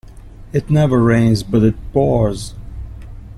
It never rains but it pours.